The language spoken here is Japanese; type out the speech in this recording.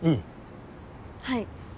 はい。